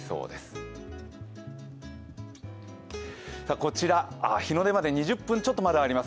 こちら、日の出まで２０分ちょっとあります